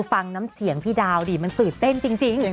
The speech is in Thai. ฟังน้ำเสียงพี่ดาวดิมันตื่นเต้นจริง